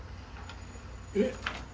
「えっ？